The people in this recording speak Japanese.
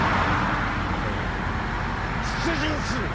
今夜出陣する！